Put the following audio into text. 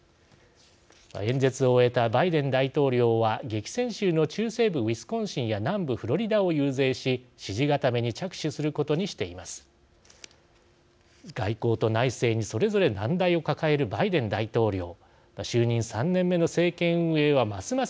演説を終えたバイデン大統領は激戦州の中西部ウィスコンシンや南部フロリダを遊説し支持固めに着手することにしています。